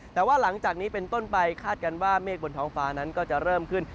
แต่ว่าหลังจากนี้เป็นต้นไปคาดการณ์ว่าเมฆบนท้องฟ้านั้นก็จะเริ่มขึ้น